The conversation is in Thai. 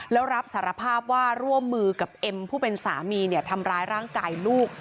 แล้วรับสารภาพว่าร่วมมือกับเอ็มผู้เป็นสามีทำร้ายร่างกายลูก